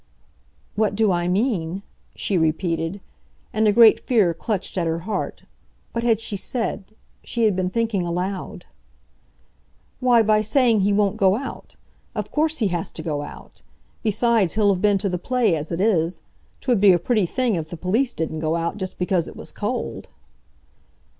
"What do I mean?" she repeated—and a great fear clutched at her heart. What had she said? She had been thinking aloud. "Why, by saying he won't go out. Of course, he has to go out. Besides, he'll have been to the play as it is. 'Twould be a pretty thing if the police didn't go out, just because it was cold!"